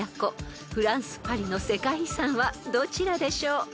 フランスパリの世界遺産はどちらでしょう？］